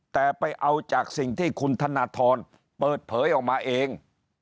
แต่ไปเอาจากสิ่งที่คุณธนทรเปิดเผยออกมาเอง